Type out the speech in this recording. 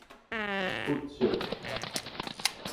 屈尺